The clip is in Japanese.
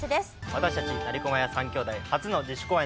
私たち成駒屋三兄弟初の自主公演となります。